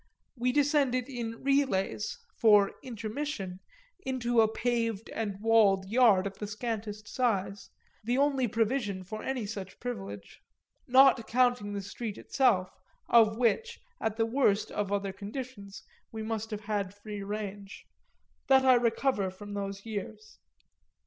We descended in relays, for "intermission," into a paved and walled yard of the scantest size; the only provision for any such privilege not counting the street itself, of which, at the worst of other conditions, we must have had free range that I recover from those years.